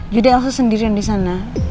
jadi elsa sendirian disana